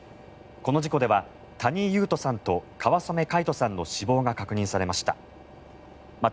この事故では谷井勇斗さんと川染凱仁さんの死亡が確認されました。